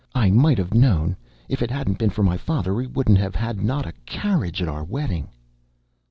I might 'ave known. If it 'adn't been for my father, we shouldn't 'ave 'ad not a carriage to our wedding."